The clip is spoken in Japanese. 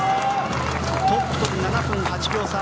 トップと７分８秒差。